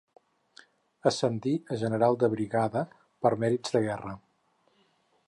Ascendí a general de brigada per mèrits de guerra.